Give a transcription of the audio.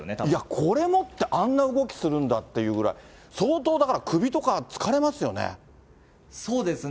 これ持ってあんな動きするんだというぐらい、相当だから、そうですね。